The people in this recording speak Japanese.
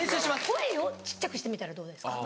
声を小っちゃくしてみたらどうですか？